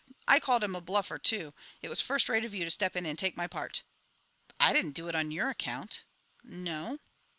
I called him a bluffer, too. It was first rate of you to step in and take my part." "I didn't do it on your account." "No?"